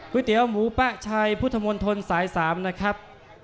ก๋วยเตี๋ยวหมูปะชัยพุทธมณฑลสายสามนะครับ